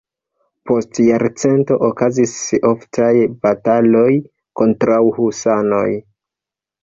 Post jarcento okazis oftaj bataloj kontraŭ husanoj.